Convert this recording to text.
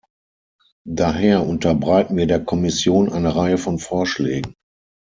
Daher unterbreiten wir der Kommission eine Reihe von Vorschlägen.